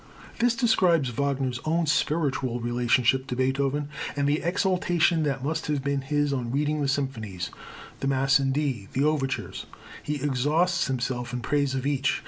This describes Wagner's own spiritual relationship to Beethoven, and the exaltation that must have been his on reading the symphonies, the Mass in D, the overtures. He exhausts himself in praise of each.